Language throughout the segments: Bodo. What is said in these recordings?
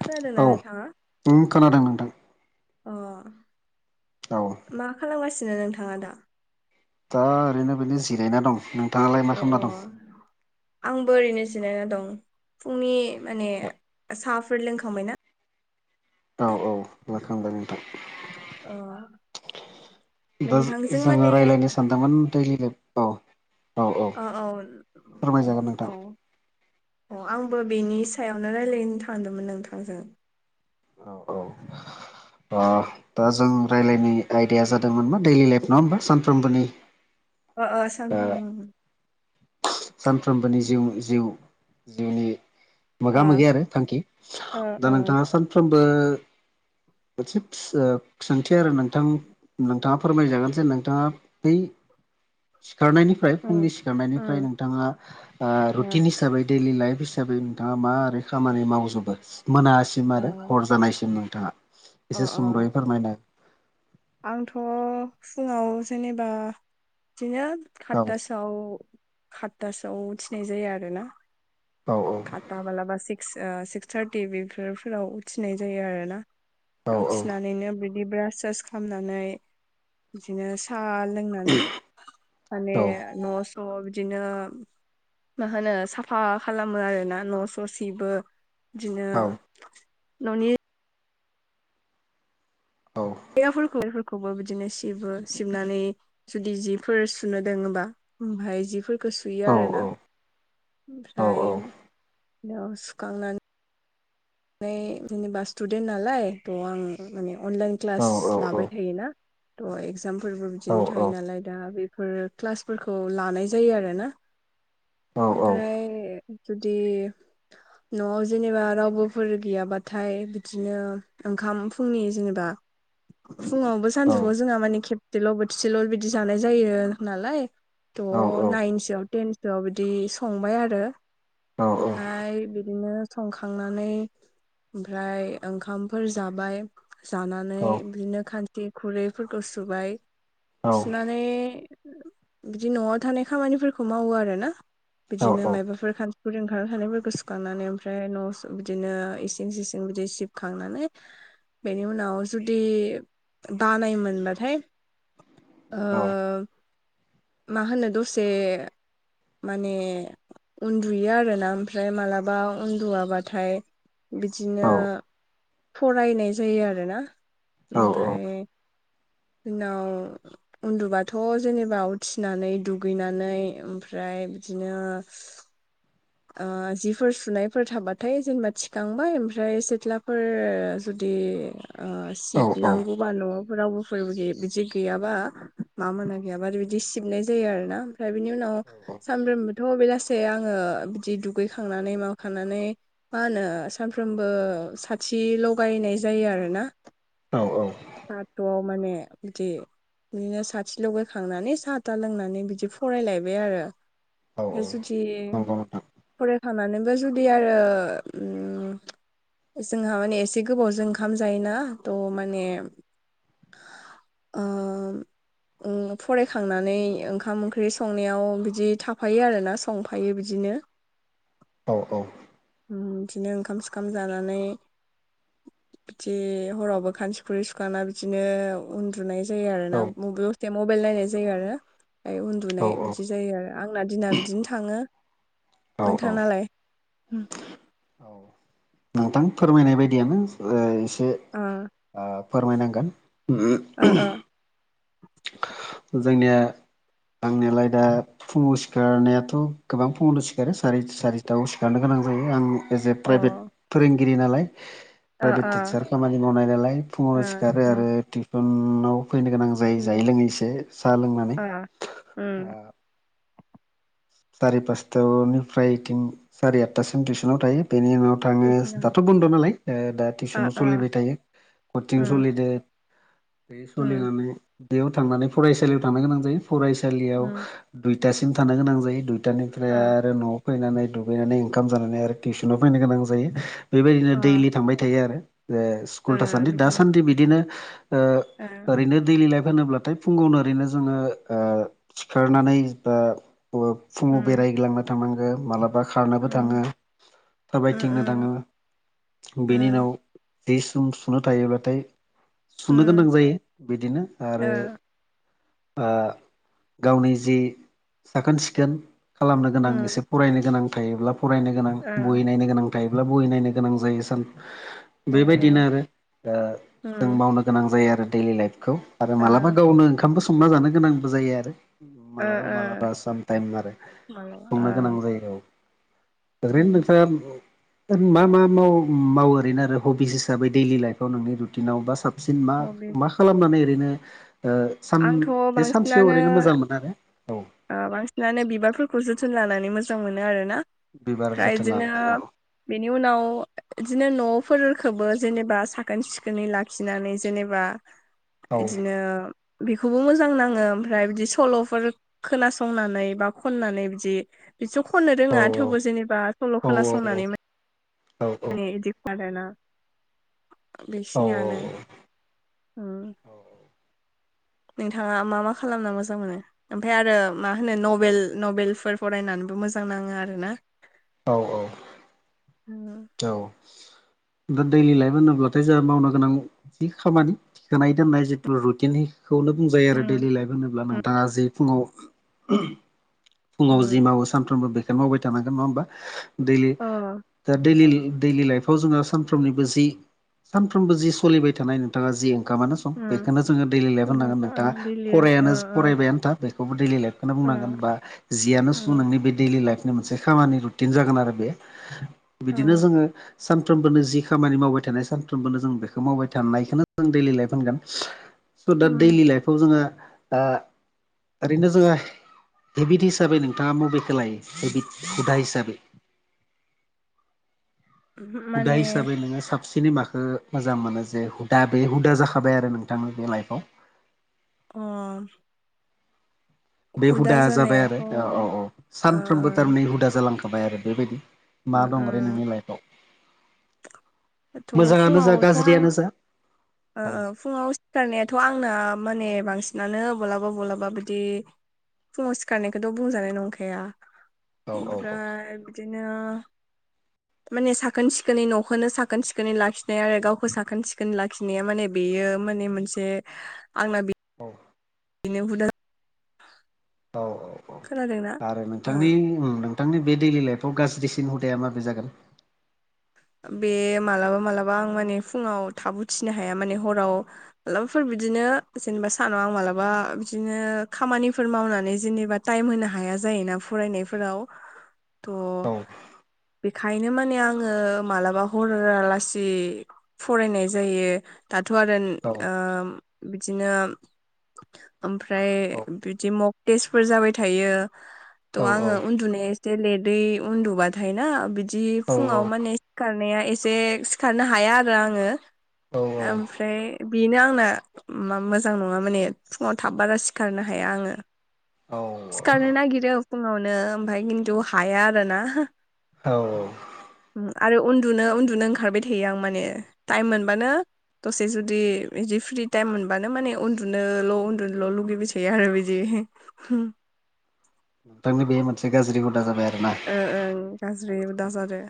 खोनादोंना औ नोंथाङा उम खोनादों नोंथां अ औ मा खालामगासिनो नोंथाङा दा? दा ओरैनो बेनो जिरायना दं नोंथाङालाय अ मा अ खामना दं? आंबो ओरैनो जिरायना दं फुंनि माने साहाफोर लोंखांबायना? औ औ लोंखांबाय नोंथां। अ दा नोंथांजों जोङो माने रायलायनो सानदोंमोन दैलि लाइफाव अ औ नोंथां औ अ आंबो बेनि सायावनो रायलायनो थांदोंमोन नोंथांजों औ औ ओ दा जों रायलायनि आयदाया जादोंमोन बा दैलि लाइफ नङा ओमबा सानफ्रोमबोनि अ अ ओ सानफ्रोमबो सानफ्रोमबोनि जिउ जिउ जिउनि अ मोगा मोगि आरो थांखि ओ दा ओ नोंथाङा सान सानफ्रोमबो मोनसे ओ सोंथि आरो नोंथां नोंथाङा फोरमायजागोन जे नोंथाङा बै सिखारनायनिफ्राय उम फुंनि सिखारनायनिफ्राय उम नों नोंथाङा ओ रुटिन हिसाबै दैडलि लाइफ हिसाबै नोंथाङा मा ओरै खामानि मावजोबो मोनासिम ओ आरो हर जानायसिम नोंथाङा अ एसे अ सुंद'यै फोरमायना आंथ' फुङाव जेनेबा इदिनो औ खात टासोआव खातटासोआव उथिनाय जायो आरोना। औ औ खातटा मालाबा सिक्स ओ सिक्स थार्टि बेफोरफोराव उथिनाय जायो आरोना। औ उथिनानैनो बिदि ब्रास सास खामनानै बिदिनो साहा लोंना नै माने औ न' स' बिदिनो मा होनो साफा खालामो आरोना न' स' सिबो बिदिनो औ न'नि औ सेथ्लाफोरखौबो बेफोरखौबो बिदिनो सिबो सिबनानै जुदि जिफोर सुनो दोङोबा ओमफ्राय जिफोर खो सुयो औ आरोना औ ओमफ्राय सुखांना नै जेनेबा स्टुडेन्ट नालाय त' आं माने अनलाइन क्लास औ लाबाय थायोना त' एगजामफोरबो बिदिनो थायो नालाय दा बेफोर क्लासफोरखौ लानाय जायो आरोना। औ ओमफ्राय जुदि न'वाव जेनेबा रावबो फोर गैयाबाथाय बिदिनो ओंखाम फुंनि जेनेबा फुङावबो सानजौफुवाव जोंहा माने खेबसेल' बोथिसेल' बिदि जानाय जायो नालाय त' नाइनसोआव टेनसोआव बिदि संबाय आरो। ओमफ्राय बिदिनो संखांनानै ओमफ्राय ओंखामफोर जाबाय जानानै बिदिनो खांसि खुरैफोरखौ सुबाय सुनानै बिदि न'वाव थानाय खामानिफोरखौ मावो आरोना बिदिनो मायबाफोर खान सिफोर ओंखारना थानायफोरखौ सुखांनानै ओमफ्राय न' स' बि दिनो इसिं सिसिं बिदि सिबखांनानै बेनि उनाव जुदि बानाय मोनबाथाय ओ मा होनो दसे माने उन्दुयो आरोना ओमफ्राय मालाबा उन्दुवाबाथाय बिदिनो फरायनाय जायो आरोना ओमफाय उनाव उन्दुबाथ' जेनेबा उथिनानै दुगैनानै ओमफ्राय बिदिनो जिफोर सुनायफोर थाबाथाय जेनेबा थिखांबाय ओमफ्राय सेथ्लाफोर जुदि सिब नांगौबा न'फोराव [unintelligible] बिदि गैयाबा मा मोना गैयाबा आरो बिदि सिबनाय जायो आरो ना ओमफ्राय बिनि उनाव सानफ्रोमबोथ' बेलासे आङो बिदि दुगैखांनानै माबाखांनानै मा होनो सानफ्रोमबो साथि लगायनाय जायो आरोना बाथौवाव माने बिदि बिदिनो साथि लगाखांनानै साहाथा लोंनानै बिदि फरायलायबाय आरो औ औ जुदि नंगौ नोंथां फरायखानानैबो जुदि आरो जोंहा माने एसे गोबावजों ओंखाम जायोना थ' माने ओ फरायखांनानै ओंखाम ओंख्रि संनायाव बिदि थाफायो आरोना संफायो बिदिनो औ औ बिदिनो ओंखाम सोखाम जानानै बिदि हरावबो खानसि खुरै सुखाना बिदिनो उन्दुनाय जायो आरो औ ना मबेल दसे मबेल नायनाय जायो आरो ओमफाय उन्दुनाय बिदि औ जायो आरो आंना दिना बिदिनो थांङो औ औ नोंथांनालाय औ नोंथां फोरमायनाय बायदियानो एसे ओ ओ फोरमायनांगोन ओ जोंनिया आंनियालाय दा फुङाव सिखारनायाथ' गोबां फुंङावनो सिखारो सारराय सारिथायाव सिखारनो गोनां जायो आं जे ओ प्राइभेट फोरोंगिरि नालाय अ ओ प्राइभेट टिचार खामानि मावनाय नालाय फुङाव ओ सिखारो उम आरो टिउसनाव फैनो गोनां जायै बिलाय जायै लोंङैसो साह लोंनानै [unintelligible] साराय पास्तनिफ्रायन साराय आठथासिम टिउसनाव थायो बेनि उनाव थाङो टिउसनाव दाथ' बन्द' नालाय दा ओ टिउसनाव ओ सोलिबाय थायो कचिं उम सोलिदो बे उम सलिनानै बेयाव थांनानै फरायसालियाव थांनो गोनां जायो फरायसालियाव उम दुइथासिम थानो गोनां जायो दुइथानिफ्राय ओ आरो न'आव फैनानै दुगैनानै ओंखाम जानानै आरो टिउसनाव फैनो गोनां जायो बेबायदिनो अ दैलि थांबाय थायो आरो ओ स्कुल थासान्दि बिदिनो दासान्दि बिदिनो ओ ओरैनो दैलि लाइफ होनोब्लाथाय फुंङावनो ओरैनो जोंङो सिखारनानै बा फुंङाव उम बेरायगलांना थांनांगो मालाबा खारनोबो उम थांङो उम थाबायथिंनो उम थांङो बेनि उम उनाव जि सुम सुनो थायोब्लााथाय सुनो गोनां उम जायो बिदिनो ओ आरो गावनि जि साखोन सिखोन खालामनो गोनां एसे उम फरायनो गोनां थायोब्ला फरायनो गोनां ओ बहि नायनो गोनां थायोब्ला बहि नायनो गोनां जायो सान ओ बेबायदिनो आरो जों उम मावनो गोनां जायो आरो दैलि लाइफखौ आरो ओ मालाबा गावनो ओंखामबो संना जानो गोनांबो जायो आरो ओ मालाबा मालाबा साम टाइम आरो मालाबा संनो गोनां जायो औ ओ ओरैनो नोंथांङा [unintelligible] मा मा मावो मावो ओरैनो आरो हबिस हिसाबै दैलि लाइफआव नोंनि रुटिनाव बा साब सिन मा हबि मा खालामनानै ओरैनो सान आंथ' बे सानसेयाव बांसिनानो ओरैनो मोजां मोनो आरो औ ओ बांसिनानो बिबारफोरखौ जोथोन लानानै मोजां मोनो आरोना बिबार ओमफ्राय जोथोन बिदिनो लानानै औ बेनि उनाव बिदिनो न'फोरफोरखौबो जेनेबा साखोन सिखोनै लाखिनानै जेनेबा औ एदिनो बेखौबो मोजां नाङो ओमफ्राय बिदि सल'फोर खोनासंनानै बा खननानै बिदि बिदिथ' खननो औ रोंङा थेवबो जेनेबा सल' औ खोनासंनानै मो औ औ [unintelligible] [unintelligible] बेखिनियानो नोंथांङा मा मा खालामना मोजां मोनो? ओमफाय आरो मा होनो नभेल नभेलफोर फरायनानैबो मोजां नांङो आरो ना। औ औ ओ [unintelligible] औ दा दैलि लाइफ होनोब्लाथाय जाहा मावनो गोनां जि खामानि गानाय दोननाय जिथु रुटिनिखौनो बुंजायो आरो दैलि लाइफ होनोब्ला नोंथाङा जे फुङाव फुङाव जि मावो सानफ्रोमबो बेखो मावबाय थानांगोन नङा होमबा दैलि दा दैलि दैलि लाइफआव जौड़ो सानफ्रोमनिबो जि सानफ्रोमबो जि सलिबाय थानाय नोंथाङा जि ओंखामानो सम बेखोनो जोङो दैलि लाइफ होननांगोन नोंथाङा फरायानो फरायबायानो था बेखौबो दैलि लाइफखौनो बुंनांगोन बा जियानो सु नोंनि बे दैलि लाइफ बे मोनसे खामानि रुटिन जागोन आरो बे बिदिनो जोङो सानफ्रोमबोनो जि खामानि मावबाय थानाय सानफ्रोमबोनो जों बेखौ मावबाय थानायखौनो जों दैलि लाइफ होनगोन स' दा दैलि लाइफआव जोङो ओ ओरैनो जोङो हेबिट हिसाबै नोंथाङा बबेखो लायो हेबिट हुदा हिसाबै? हुदा माने हिसाबै नोङो साबसिनै माखो मोजां मोनो जे हुदा बे हुदा जाखाबाय आरो नोंथां बे लाइफआव अ बे हुदा जाबाय जानायाथ' आरो ओ औ औ औ सानफ्रोमबो थारमाने उम हुदा जालांखाबाय आरो बेबायदि मा दं आरो उम नोंनि लाइफआव थ' मोजाङानो जा फुङावथ' आं गाज्रियानो जा ओ औ ओ फुङाव सिखारनायाथ' आंना माने बांसिनानो बलाबा बलाबा बिदि फुङाव सिखारनायखोथ' बुंजानाय नंखाया औ औ औ ओमफ्राय बिदिनो माने साखोन-सिखोनै न'खोनो साखोन-सिखोनै लाखिनाय आरो गावखौ साखोन-सिखोन ला खिनाया माने बेयो माने मोनसे आंना बि औ बिदिनो हुदा औ औ औ खोनादोंना आरो ओ नोंथांनि मुं नोंथांनि बे दैलि लाइफआव गाज्रिसिन हुदाया माबे जागोन? बे मालाबा मालाबा आं माने फुङाव थाब उथिनो हाया माने हराव मालाबाफोर बिदिनो जेनेबा सानाव आं मालाबा बिदिनो खामानिफोर मावनानै जेनेबा टाइम होनो हाया जायोना फरायनायफोराव थ' औ बेखायनो माने आङो मालाबा हरालासि फरायनाय जायो दाथ' आरो औ ओम बिदिनो ओमफ्राय बिदि मग टेस्टफोर जाबाय थायो थ' औ आङो उन्दुनाया एसे लेटै उन्दुबाथाय ना बिदि औ फुङाव माने सिखारनाया एसे सिखारनो हाया आरो आङो ओमफ्राय बिनो आंना मा मोजां नङा माने फुङाव थाब बारा सिखारनो हाया आङो औ सिखारनो नागिरो फुङावनो ओमफाय किनतु हाया आरोना औ औ आरो उन्दुनो उन्दुनो ओंखारबाय थायो आं माने टाइम मोनबानो दसे जुदि बिदि फ्रि टाइम मोनबानो माने उन्दुनोल' उन्दुनोल' लुगैबाय थायो आरो बिदि होम नोंथांनि बे मोनसे गाज्रि हुदा जाबाय आरोना ओ ओं गाज्रि हुदा जादों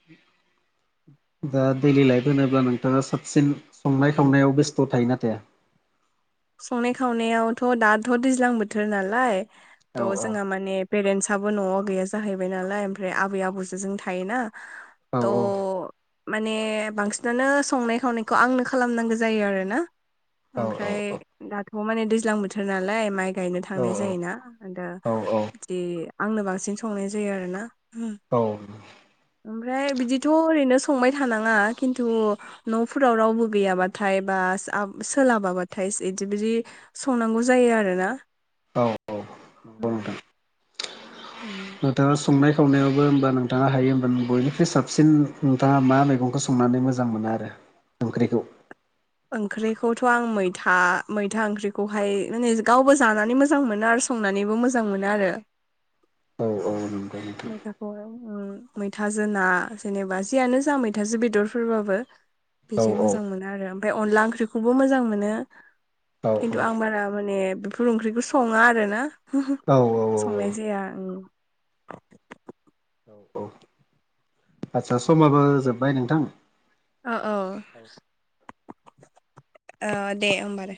[inaudible] दा दैलि लाइफ होनोब्ला नोंथाङा साबसिन संनाय-खावनायाव बेस्थ' थायोना थाया? संनाय-खावनायावथ' दाथ' दैज्लां बोथोर नालाय औ त' औ जोंहा माने पेरेन्टसआबो न'वाव गैया जाहैबाय नालाय ओमफ्राय आबै आबौजों जों थायोना औ त' माने बांसिनानो संनाय खावनायखौ आंनो खालामनांगौ जायो आरोना औ ओमफ्राय दाथ' माने दैज्लां बोथोर नालाय माइ गायनो औ थांनाय जायोना दा औ बिदि आंनो बांसिन संनाय जायो आरोना उम औ ओमफ्राय बिदिथ' ओरैनो संबाय थानाङा खिन्थु न'फोराव रावबो गैयाबाथाय बा आ सोलाबाबाथाय इदि बिदि संनांगौ जायो आरोना औ औ नंगौ नोंथां उम नोंथाङा संनाय खावनायावबो ओमबा नोंथाङा हायो होमबा बनिख्रुइ साबसिन नोंथाङा मा मैगंखो सं संनानै मोजां मोनो आरो ओंख्रिखौ ओंख्रिखौथ' आं मैथा मैथा ओंख्रिखौहाय माने गावबो जानानै मोजां मोनो आरो संनानैबो मोजां मोनो आरो औ औ नोंथां मैथाखौ उम मैथाजो ना जेनेबा जियानो जा मैथाजों बेदरफोरबाबो बिदि औ औ औ मोजां मोनो आरो ओमफ्राय अनला ओंख्रिखौबो मोजां मोनो औ खिन्थु आं बारा माने बेफोर ओंख्रिखौ सङा आरोना औ औ औ संनाय जाया उम औ आदसा समाबो जोबबाय नोंथां। औ औ ओ दे ओमबा दे